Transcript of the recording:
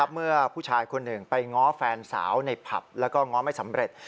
เมื่อผู้ชายคนหนึ่งไปง้อแฟนสาวในผับแล้วก็ง้อไม่สำเร็จ